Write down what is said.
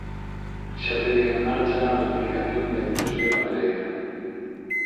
Xa tería en marcha a planificación da industria papeleira.